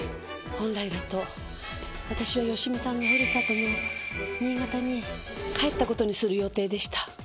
本来だと私は芳美さんのふるさとの新潟に帰った事にする予定でした。